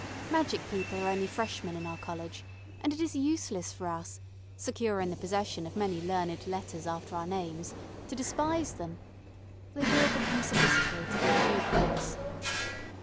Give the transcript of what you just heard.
Magic people are only freshmen in our college, and it is useless for us secure in the possession of many learned letters after our names to despise them. They will become sophisticated in due course.